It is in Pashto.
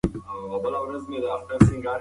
په حقیقت کې د ځمکې جاذبه پرې اغېز نه کوي.